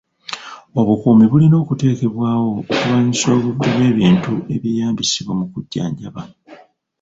Obukuumi bulina okuteekebwawo okulwanyisa obubbi bw'ebintu ebyeyamisibwa mu kujjanjaba.